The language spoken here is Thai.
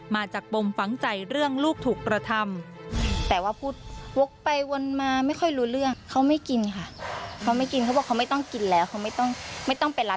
ปมฝังใจเรื่องลูกถูกกระทำ